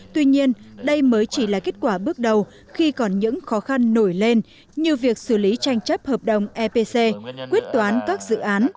tuy nhiên đây mới chỉ là kết quả bước đầu khi còn những khó khăn nổi lên như việc xử lý tranh chấp hợp đồng epc quyết toán các dự án